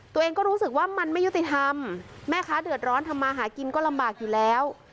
ตัวเองก็รู้สึกว่ามันไม่ยุติธรรมแม่ค้าเดือดร้อนทำมาหากินก็ลำบากอยู่แล้ว